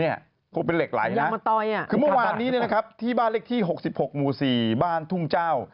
อีกเมื่อวานนี้ที่บ้านเล็กที่๖๖มู๔บ้านทุ่งเจ้า